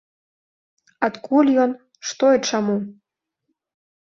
Адкуль ён, што і чаму.